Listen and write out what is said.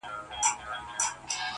شېرینو نور له لسټوڼي نه مار باسه.